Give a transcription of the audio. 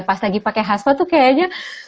pas lagi pakai hasto tuh kayaknya